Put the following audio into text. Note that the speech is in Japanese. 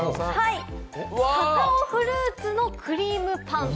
カカオフルーツのクリームパン。